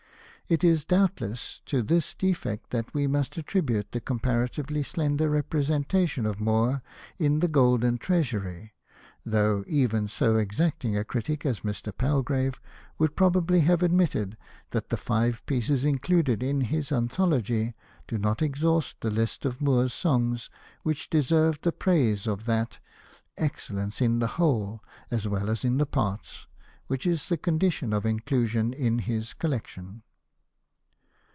It is, doubtless, to this defect that we must attribute the comparatively slender repre sentation of Moore in the Golde7i Treasury ; though even so exacting a critic as Mr. Palgrave would probably have admitted that the five pieces included in his anthology do not exhaust the list of Moore's songs which deserve the praise of that "excellence in the whole as well as in the parts " which is the condition of inclusion in his collection.